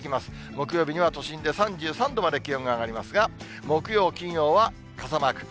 木曜日には都心で３３度まで気温が上がりますが、木曜、金曜は傘マーク。